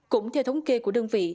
cũng theo thống kê của đơn vị